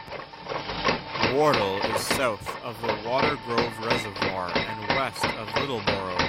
Wardle is south of the Watergrove Reservoir and west of Littleborough.